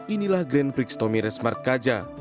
inilah grant briggs tomires martkaja